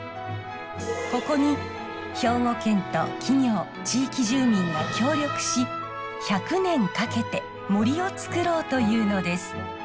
ここに兵庫県と企業地域住民が協力し１００年かけて森をつくろうというのです。